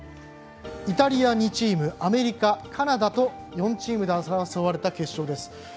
イタリア２チームアメリカ、カナダと４チームで争われた決勝です。